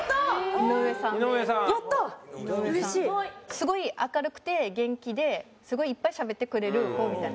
すごい明るくて元気ですごいいっぱいしゃべってくれる子みたいな。